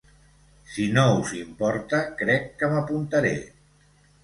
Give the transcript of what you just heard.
Si no us importa, crec que m'apuntaré.